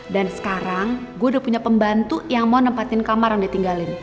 dan sekarang gue udah punya pembantu yang mau nempatin kamar yang dia tinggalin